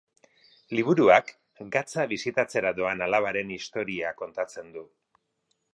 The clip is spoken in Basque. Liburuak Gatza bisitatzera doan alabaren historia kontatzen du.